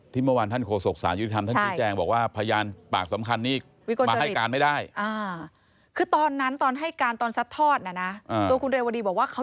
ที่เมื่อวานท่านโคศกศาลยุทธรรมท่านพุทธแจงบอกว่า